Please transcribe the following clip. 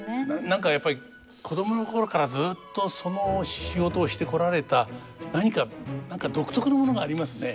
何かやっぱり子供の頃からずっとその仕事をしてこられた何か何か独特のものがありますね。